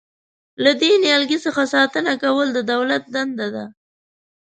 له دې نیالګي څخه ساتنه کول د دولت دنده ده.